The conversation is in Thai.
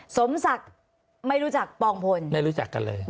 สมศักดิ์ไม่รู้จักปองพลไม่รู้จักกันเลย